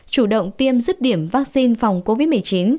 chủ động tiêm rứt điểm vaccine phòng covid một mươi chín